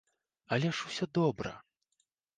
Але ж усё добра!